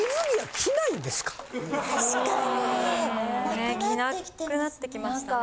着なくなってきましたね。